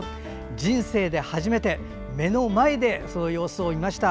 人生で初めて目の前でその様子を見ました。